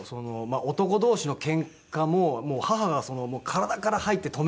男同士のけんかも母が体から入って止めて。